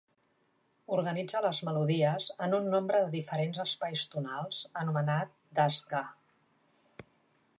Organitza les melodies en un nombre de diferents espais tonals anomenats Dastgah.